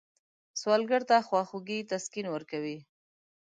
سوالګر ته خواخوږي تسکین ورکوي